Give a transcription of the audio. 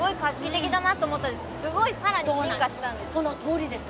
そのとおりです